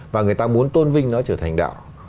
và người ta muốn tôn vinh nó trở thành đạo